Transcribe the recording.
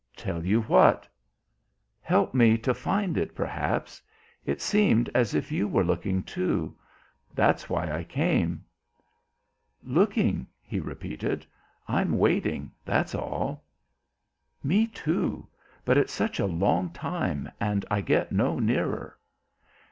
"Tell you what?" "Help me to find it perhaps. It seemed as if you were looking, too; that's why I came." "Looking?" he repeated. "I'm waiting; that's all." "Me too. But it's such a long time, and I get no nearer."